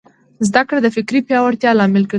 زدهکړه د فکري پیاوړتیا لامل ګرځي.